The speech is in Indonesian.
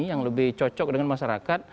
yang lebih cocok dengan masyarakat